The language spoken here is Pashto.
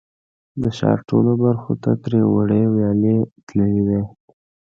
د ښار ټولو برخو ته ترې وړې ویالې تللې وې.